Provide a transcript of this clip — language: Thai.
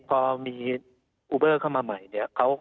พอมีอูเบอร์เข้ามาใหม่เนี่ย